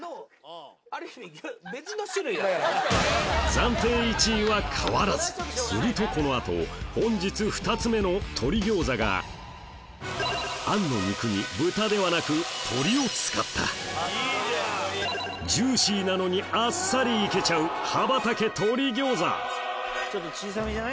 暫定１位は変わらずするとこの後本日２つ目の鶏餃子が餡の肉に豚ではなく鶏を使ったジューシーなのにあっさりいけちゃうん！